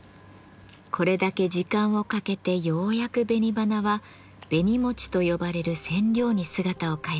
これだけ時間をかけてようやく紅花は「紅餅」と呼ばれる染料に姿を変えます。